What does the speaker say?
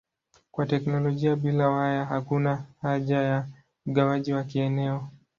Kwa teknolojia bila waya hakuna haja ya ugawaji wa kieneo.